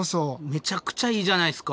めちゃくちゃいいじゃないですか。